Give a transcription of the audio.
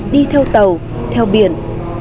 đi theo tàu theo biển